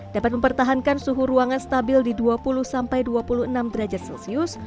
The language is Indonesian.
dapat mempertahankan suhu ruangan stabil di dua puluh sampai dua puluh enam derajat celcius